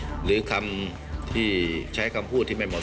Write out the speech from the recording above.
สวัสดีค่ะคุณผู้ชมค่ะสิ่งที่คาดว่าอาจจะเกิดก็ได้เกิดขึ้นแล้วนะคะ